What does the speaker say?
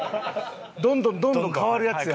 どんどんどんどん代わるやつや。